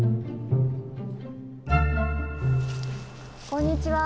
こんにちは。